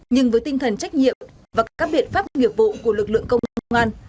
nhưng với tinh thần trách nhiệm và các biện pháp nghiệp vụ của lực lượng công an